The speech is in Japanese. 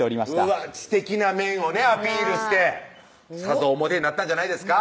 うわっ知的な面をねアピールしてさぞおモテになったんじゃないですか？